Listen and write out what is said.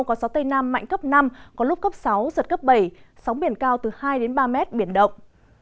có gió tây nam mạnh cấp năm có lúc cấp sáu giật cấp bảy sóng biển cao từ hai ba mét biển động